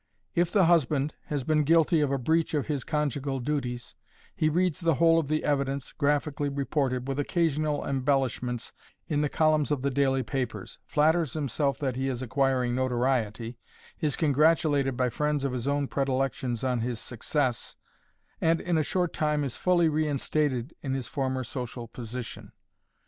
If the husband has been guilty of a breach of his conjugal duties, he reads the whole of the evidence, graphically reported, with occasional embellishments, in the columns of the daily papers, flatters himself that he is acquiring notoriety, is congratulated by friends of his own predilections on his success, and in a short time is fully reinstated in his former social position.